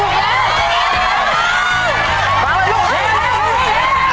พร้อมลาตรงถุงนรก